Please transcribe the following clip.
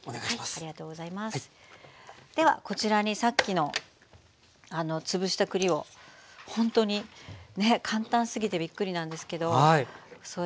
ではこちらにさっきの潰した栗をほんとにね簡単すぎてびっくりなんですけど添えて頂いて。